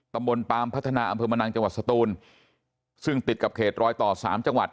ตำบลปามพัฒนาอำเภอมะนังจังหวัดสตูนซึ่งติดกับเขตรอยต่อสามจังหวัด